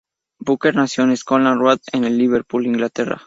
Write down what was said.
Baker nació en Scotland Road, en Liverpool, Inglaterra.